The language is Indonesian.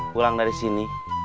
pulang dari sini